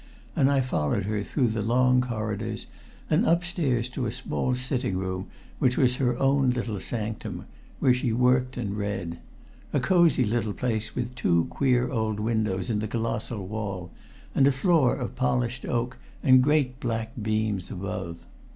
And I followed her through the long corridors and upstairs to a small sitting room which was her own little sanctum, where she worked and read a cosy little place with two queer old windows in the colossal wall, and a floor of polished oak, and great black beams above.